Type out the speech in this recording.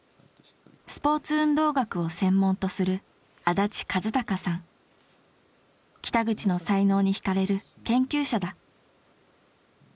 スポーツ運動学を専門とする北口の才能に引かれる研究者だ。